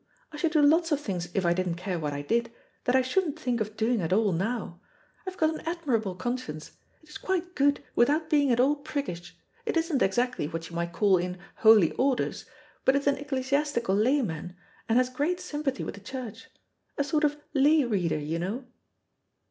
I should do lots of things if I didn't care what I did, that I shouldn't think of doing at all now. I've got an admirable conscience. It is quite good, without being at all priggish. It isn't exactly what you might call in holy orders, but it is an ecclesiastical layman, and has great sympathy with the Church. A sort of lay reader, you know."